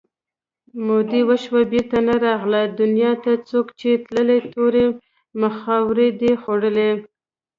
مودې وشوې بېرته نه راغله دنیا ته څوک چې تللي تورو مخاورو دي خوړلي